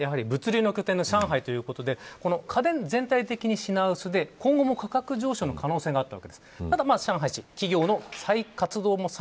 おっしゃったように物流の拠点の上海ということで家電が全体的に品薄で今後も価格上昇の可能性があります。